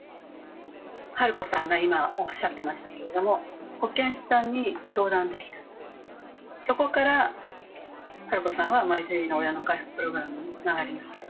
春子さんが今おっしゃっていましたけれども、保健師さんに相談できた、そこから、春子さんはＭＹＴＲＥＥの親の回復プログラムにつながりました。